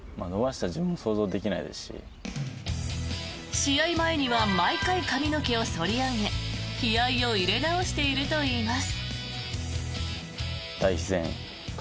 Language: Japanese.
試合前には毎回、髪の毛を剃り上げ気合を入れ直しているといいます。